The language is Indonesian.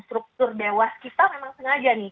struktur dewas kita memang sengaja nih